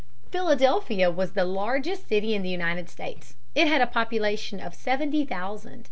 Philadelphia was the largest city in the United States. It had a population of seventy thousand.